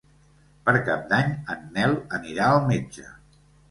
Per Cap d'Any en Nel anirà al metge.